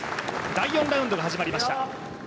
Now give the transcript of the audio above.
第４ラウンドが始まりました。